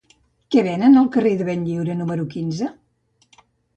Què venen al carrer de Benlliure número quinze?